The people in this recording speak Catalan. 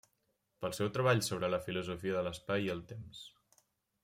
Pel seu treball sobre la Filosofia de l'espai i el temps.